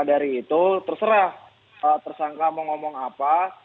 dari itu terserah tersangka mau ngomong apa